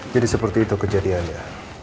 jadi seperti itu kejadiannya